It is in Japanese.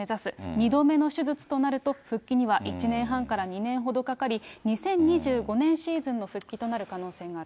２度目の手術となると、復帰には１年半から２年ほどかかり、２０２５年シーズンの復帰となる可能性もある。